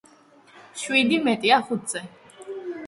შვიდი მეტია ხუთზე.